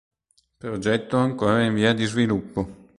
Progetto ancora in via di sviluppo.